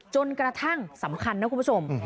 จนกระทั่งสำคัญนะคุณผู้ชม